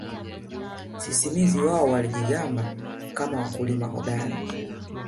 Sisimizi wao walijigamba kama wakulima hodari